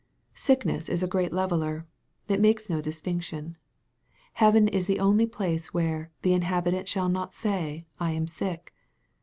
Sick ness is a great leveller. It makes no distinction. Heaven is the only place where " the inhabitant shall not say, I am sick."